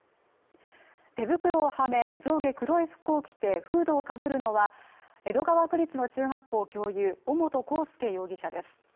手袋をはめ、上下黒い服を着てフードを被るのは、江戸川区立の中学校教諭尾本幸祐容疑者です。